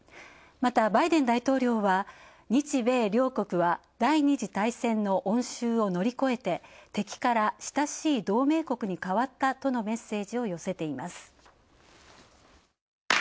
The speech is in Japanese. またバイデン大統領は、日米両国は第二次大戦の恩讐を乗り越えて親しい同盟国に変わったとのメッセージを寄せています。